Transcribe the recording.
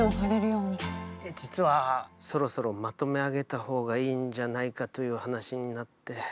実はそろそろまとめ上げたほうがいいんじゃないかという話になって。